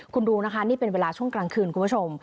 คุณดูนะคะนี่เป็นเวลาช่วงกลางคืนคุณผู้ชม